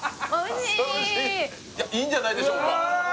いやいいんじゃないでしょうかわあ！